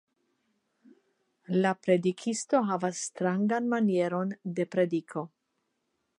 La predikisto havas strangan manieron de prediko.